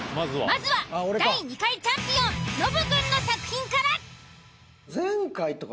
まずは第２回チャンピオンノブくんの作品から。